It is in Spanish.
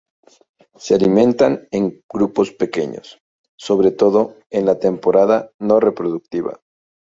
Se alimentan en grupos pequeños, sobre todo en la temporada no reproductiva.